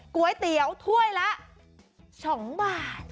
ก๋วยเตี๋ยวถ้วยละ๒บาท